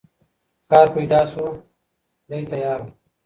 کار پیدا سو دی تیار وو